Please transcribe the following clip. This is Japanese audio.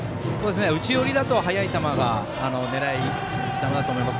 内寄りだと速い球が狙いだなと思います。